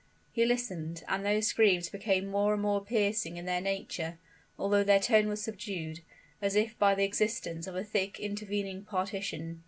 He listened and those screams became more and more piercing in their nature, although their tone was subdued, as if by the existence of a thick intervening partition.